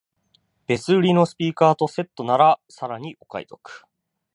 別売りのスピーカーとセットならさらにお買い得